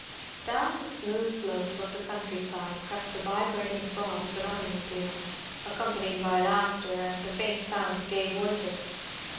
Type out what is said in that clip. Down the smooth slope of the country side crept the vibrating throb of an automobile, accompanied by laughter and the faint sound of gay voices.